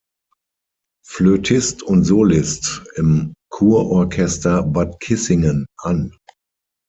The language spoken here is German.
Flötist und Solist im Kurorchester Bad Kissingen an.